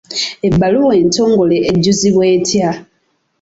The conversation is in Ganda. Ebbaluwa entongole ejjuzibwa etya?